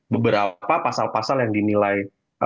beberapa pasal pasal yang dinilai